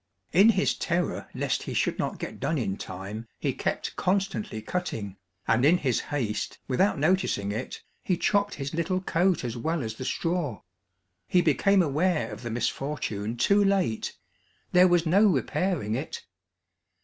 In his terror lest he should not get done in time he kept constantly cutting, and in his haste, without noticing it, he chopped his little coat as well as the straw. He became aware of the misfortune too late; there was no repairing it.